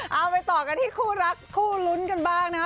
เอาไปต่อกันที่คู่รักคู่ลุ้นกันบ้างนะฮะ